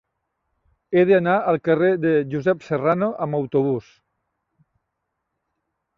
He d'anar al carrer de Josep Serrano amb autobús.